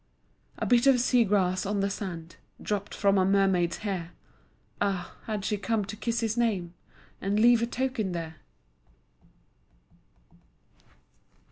A bit of sea grass on the sand, Dropped from a mermaid's hair Ah, had she come to kiss his name And leave a token there?